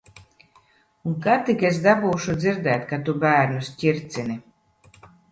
Un kad tik es dabūšu dzirdēt, ka tu bērnus ķircini.